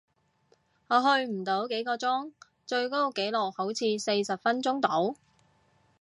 我去唔到幾個鐘，最高紀錄好似四十分鐘度